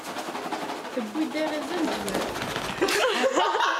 Tewwi-d arraz amezwaru.